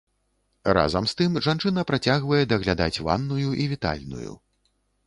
Разам з тым, жанчына працягвае даглядаць ванную і вітальную.